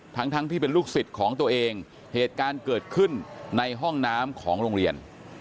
ทั้งทั้งที่เป็นลูกศิษย์ของตัวเองเหตุการณ์เกิดขึ้นในห้องน้ำของโรงเรียน